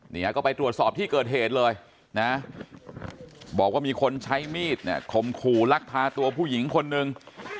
เนี่ยก็ไปตรวจสอบที่เกิดเหตุเลยนะบอกว่ามีคนใช้มีดเนี่ยข่มขู่ลักพาตัวผู้หญิงคนนึง